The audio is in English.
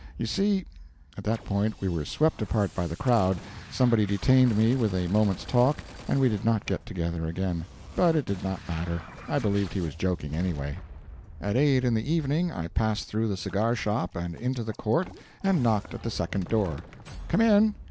You see " At that point we were swept apart by the crowd, somebody detained me with a moment's talk, and we did not get together again. But it did not matter; I believed he was joking, anyway. At eight in the evening I passed through the cigar shop and into the court and knocked at the second door. "Come in!"